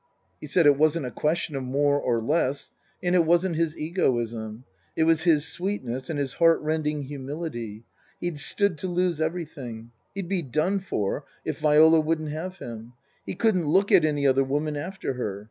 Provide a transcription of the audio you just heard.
He said, it wasn't a question of more or less. And it wasn't his egoism. It was his sweetness and his heart rending humility. He'd stood to lose everything. He'd be done for if Viola wouldn't have him. He couldn't look at any other woman after her.